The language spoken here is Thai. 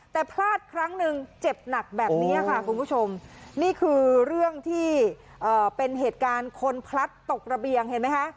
แต่พลาดครั้งหนึ่งเจ็บหนักแบบนี้ค่ะคุณผู้ชมนี่คือเรื่องที่เป็นเหตุการณ์คนพลัดตกระเบียงเห็นไหมคะ